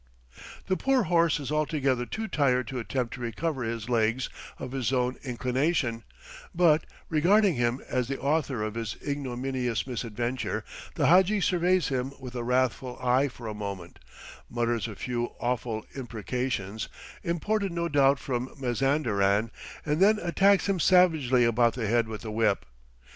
The poor horse is altogether too tired to attempt to recover his legs of his own inclination; but, regarding him as the author of his ignominious misadventure, the hadji surveys him with a wrathful eye for a moment, mutters a few awful imprecations imported, no doubt, from Mazanderan and then attacks him savagely about the head with the whip.